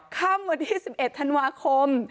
ค่ำวันที่๑๑ธันวาคม